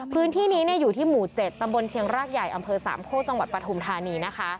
พื้นที่นี้อยู่ที่หมู่๗ตำบลเชียงรากใหญ่อำเภอสามโคกจังหวัดปฐุมธานีนะคะ